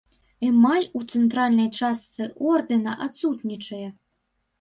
Эмаль у цэнтральнай частцы ордэна адсутнічае.